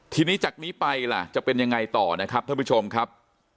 ทีนี้จากนี้ไปล่ะจะเป็นยังไงต่อนะครับท่านผู้ชมครับ